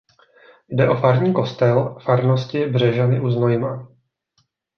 Jde o farní kostel farnosti Břežany u Znojma.